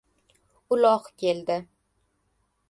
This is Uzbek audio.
Uloq keldi.